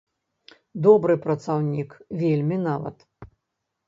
Добры працаўнік, вельмі нават.